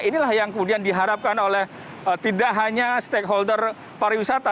inilah yang kemudian diharapkan oleh tidak hanya stakeholder pariwisata